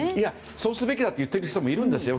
そうすべきだと言っている人もいるんですよ。